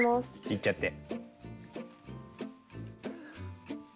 いっちゃって。